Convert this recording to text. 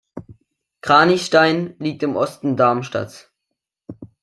Kranichstein liegt im Osten Darmstadts.